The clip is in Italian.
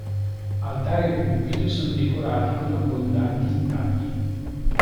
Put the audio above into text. Altare e pulpito sono decorati con abbondanti intagli.